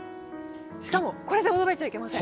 しかもこれで驚いちゃいけません。